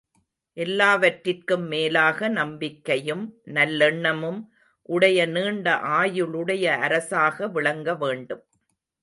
எல்லாவற்றிற்கும் மேலாக நம்பிக்கையும் நல்லெண்ணமும் உடைய நீண்ட ஆயுளுடைய அரசாக விளங்க வேண்டும்.